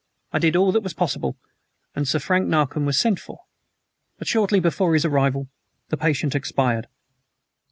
I did all that was possible, and Sir Frank Narcombe was sent for. But shortly before his arrival the patient expired."